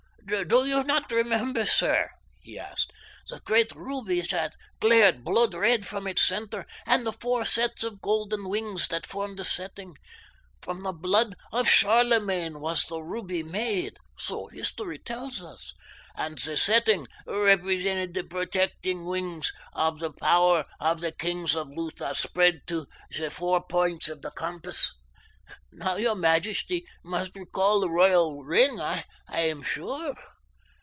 "Do you not remember, sir," he asked, "the great ruby that glared, blood red from its center, and the four sets of golden wings that formed the setting? From the blood of Charlemagne was the ruby made, so history tells us, and the setting represented the protecting wings of the power of the kings of Lutha spread to the four points of the compass. Now your majesty must recall the royal ring, I am sure."